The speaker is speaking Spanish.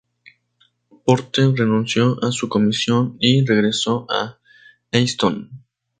Porter renunció a su comisión y regresó a Easton.